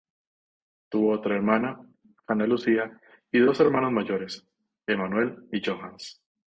Tuvo otra hermana, Hanna Lucia, y dos hermanos mayores, Emanuel y Johannes.